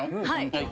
はい。